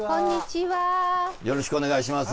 よろしくお願いします。